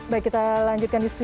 baik kita lanjutkan